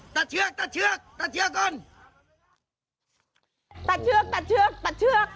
เชือกตัดเชือกตัดเชือกก่อนตัดเชือกตัดเชือกตัดเชือก